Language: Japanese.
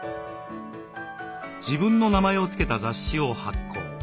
自分の名前を付けた雑誌を発行。